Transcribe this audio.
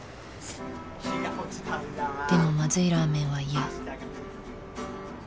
でもまずいラーメンは嫌